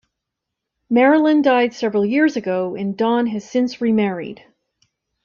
Marilyn died several years ago and Don has since remarried.